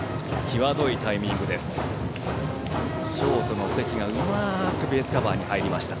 際どいタイミングでした。